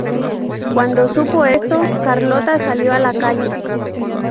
Cuando supo esto, Carlota salió a la calle.